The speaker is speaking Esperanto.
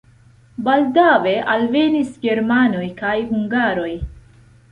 Baldaŭe alvenis germanoj kaj hungaroj.